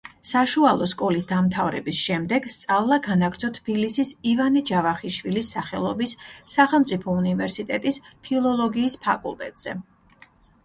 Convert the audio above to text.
საშუალო სკოლის დამთავრების შემდეგ სწავლა განაგრძო თბილისის ივანე ჯავახიშვილის სახელობის სახელმწიფო უნივერსიტეტის ფილოლოგიის ფაკულტეტზე.